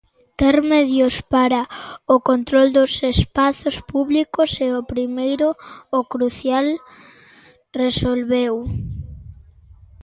"Ter medios para o control dos espazos públicos é o primeiro, o crucial", resolveu.